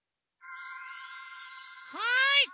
はい！